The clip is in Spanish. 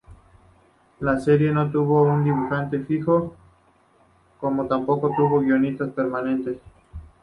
La serie no tuvo un dibujante fijo, como tampoco tuvo guionistas permanentes.